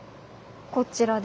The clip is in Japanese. こちらで？